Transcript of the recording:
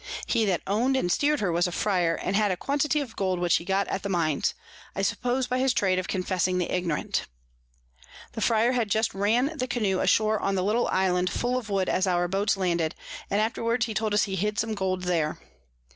He that own'd and steer'd her was a Fryar, and had a Quantity of Gold which he got at the Mines, I suppose by his Trade of confessing the Ignorant. The Fryar had just ran the Canoe ashore on a little Island full of Wood as our Boats landed, and afterwards told us he hid some Gold there.